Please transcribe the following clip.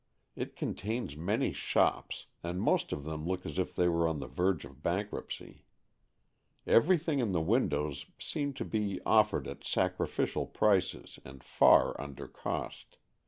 It contains many shops, and most of them look as if they were on the verge of bank ruptcy. Everything in the windows seemed to be offered at sacrificial prices and far under cost.